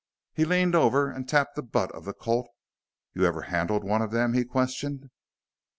He leaned over and tapped the butt of the Colt. "You ever handle one of them?" he questioned.